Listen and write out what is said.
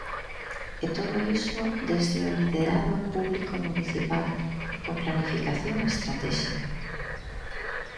E todo iso desde o liderado público municipal, con planificación estratéxica.